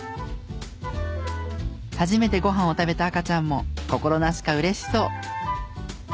初めてご飯を食べた赤ちゃんも心なしか嬉しそう。